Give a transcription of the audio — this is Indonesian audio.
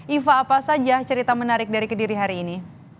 iva apa saja cerita menarik dari kediri hari ini